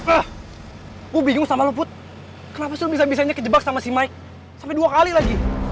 ah gue bingung sama lo put kenapa sudah bisa bisanya kejebak sama si mike sampai dua kali lagi